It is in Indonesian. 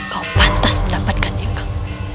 kau pantas mendapatkan yang kau